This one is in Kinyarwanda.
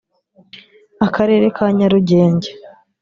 akarere ka Nyarugenge